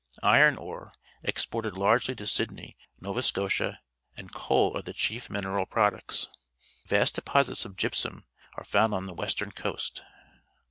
Iron ore^ exported largely to Sydney, Nova Scotia, and coal are the chief mineral products. Vast deposits of gyp sum are found on the western coast.